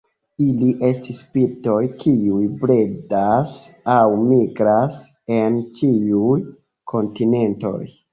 Ili estas birdoj kiuj bredas aŭ migras en ĉiuj kontinentoj.